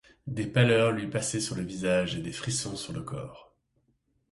Des pâleurs lui passaient sur le visage et des frissons sur le corps.